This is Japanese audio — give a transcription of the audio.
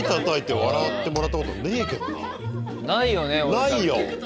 ないよ！